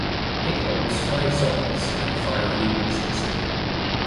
It holds five songs and five remixes.